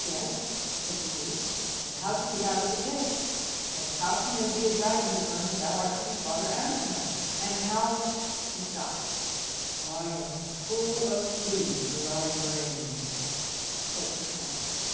"Yes," said the youth. "But how to get out of the pit? And how can there be a dragon to burn if thou art to be Father Anselm? And how " he stopped. "I am full of pity for thy brains," said Sir Francis.